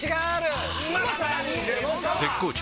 絶好調！！